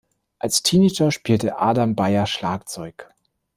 Als Teenager spielte Adam Beyer Schlagzeug.